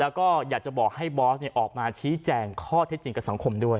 แล้วก็อยากจะบอกให้บอสออกมาชี้แจงข้อเท็จจริงกับสังคมด้วย